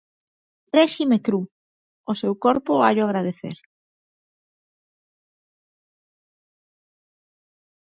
réxime cru, o seu corpo hallo agradecer.